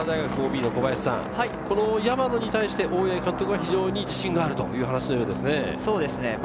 駒山大学ＯＢの小林さん、山野に対して大八木監督は非常に自信があるという話のようですね。